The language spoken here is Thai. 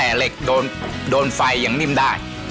แม้แต่เหล็กโดนไฟอย่างนิ่มได้